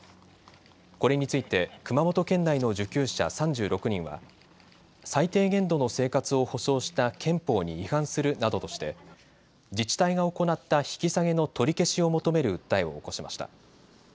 これについて熊本県内の受給者３６人は最低限度の生活を保障した憲法に違反するなどとして自治体が行った引き下げの取り消しを求める訴えを起こしました。